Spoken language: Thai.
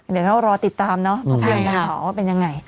เดี๋ยวเรารอติดตามเนาะมาเตือนกันต่อว่าเป็นยังไง